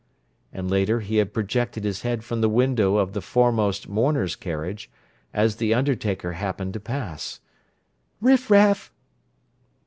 And later he had projected his head from the window of the foremost mourners' carriage, as the undertaker happened to pass. "_Riffraff!